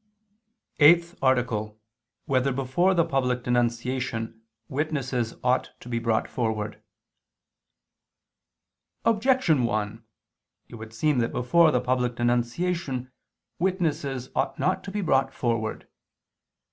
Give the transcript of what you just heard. _______________________ EIGHTH ARTICLE [II II, Q. 33, Art. 8] Whether Before the Public Denunciation Witnesses Ought to Be Brought Forward? Objection 1: It would seem that before the public denunciation witnesses ought not to be brought forward.